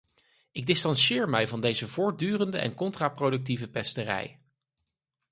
Ik distantieer mij van deze voortdurende en contraproductieve pesterij.